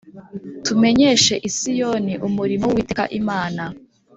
tumenyeshe i Siyoni umurimo w Uwiteka Imana